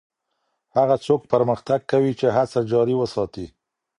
هغه څوک پرمختګ کوي چي هڅه جاري وساتي